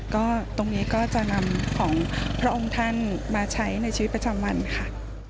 ก็ตรงนี้ก็จะนำของพระองค์ท่านมาใช้ในชีวิตประจำวันค่ะ